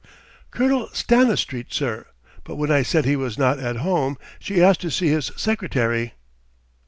"Colonel Stanistreet, sir. But when I said he was not at home, she asked to see his secretary."